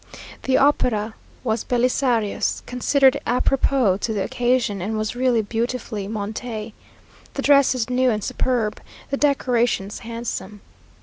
The opera was Belisarius; considered à propos to the occasion, and was really beautifully montée; the dresses new and superb the decorations handsome.